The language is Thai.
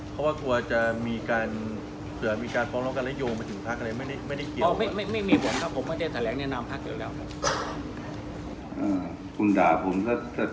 เพราะว่ากลัวจะเกิดมีการพงด้วยกันอย่างน้อยมันยงมาถึงทรัพย์ซึ่งไม่ได้เกี่ยว